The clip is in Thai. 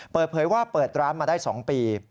เปิดเผยว่าเปิดร้านมาได้๒ปี